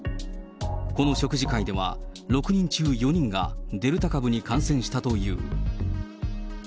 この食事会では、６人中４人がデルタ株に感染したという。